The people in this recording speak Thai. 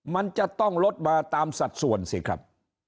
มันจะต้องลดมาตามสัดส่วนสิครับ